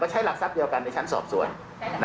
ใช้หลักทรัพย์เดียวกันในชั้นสอบสวน